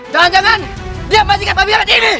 jangan jangan diamkan jika pabian ini